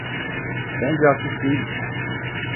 Ben casus değilim.